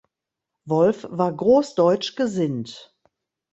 Wolf war großdeutsch gesinnt.